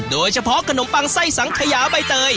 โดยเฉพาะขนมปังไส้สังขยาใบเตย